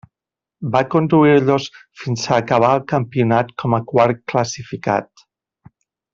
Va conduir-los fins a acabar el campionat com a quart classificat.